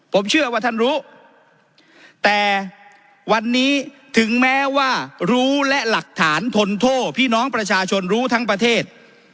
ผมเชื่อว่าท่านรู้แต่วันนี้ถึงแม้ว่ารู้และหลักฐานทนโทษพี่น้องประชาชนรู้ทั้งประเทศ